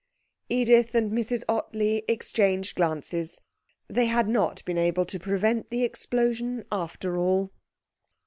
Edith and Mrs Ottley exchanged glances. They had not been able to prevent the explosion after all.